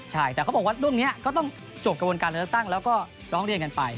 ใช่แต่เขาบอกว่าเรื่องนี้ก็ต้องจบกระบวนการเลือกตั้งแล้วก็ร้องเรียนกันไป